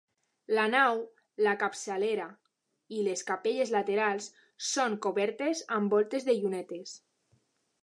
La nau, la capçalera i les capelles laterals són cobertes amb voltes de llunetes.